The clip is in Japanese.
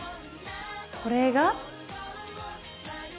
これが！